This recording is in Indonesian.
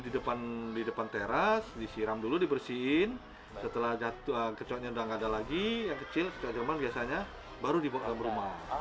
dikibas dulu di depan teras disiram dulu dibersihin setelah kecoanya sudah tidak ada lagi yang kecil kecoa jerman biasanya baru dibawa ke dalam rumah